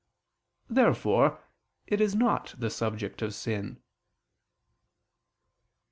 Therefore it is not the subject of sin.